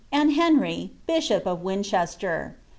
and Henry, bishop of Win chesier.